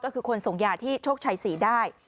ก็คือคนส่งยาที่โชคชัยศรีได้